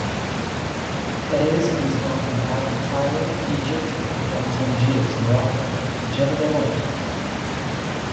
Players can start from either Cairo, Egypt or from Tangiers, Morocco, whichever they want.